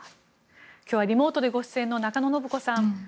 今日はリモートでご出演の中野信子さん。